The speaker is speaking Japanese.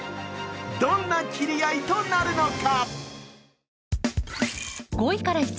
どんな斬り合いとなるのか。